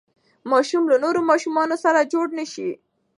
ماشوم له نورو ماشومانو سره جوړ نه شي.